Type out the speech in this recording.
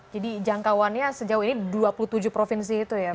jadi jangkauannya sejauh ini dua puluh tujuh provinsi itu ya pak